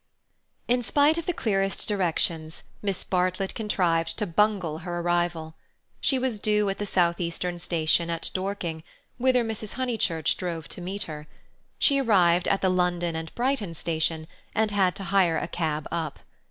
In spite of the clearest directions, Miss Bartlett contrived to bungle her arrival. She was due at the South Eastern station at Dorking, whither Mrs. Honeychurch drove to meet her. She arrived at the London and Brighton station, and had to hire a cab up.